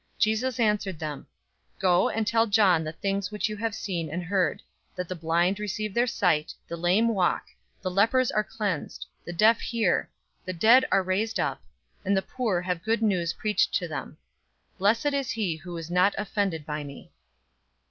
007:022 Jesus answered them, "Go and tell John the things which you have seen and heard: that the blind receive their sight, the lame walk, the lepers are cleansed, the deaf hear, the dead are raised up, and the poor have good news preached to them. 007:023 Blessed is he who is not offended by me."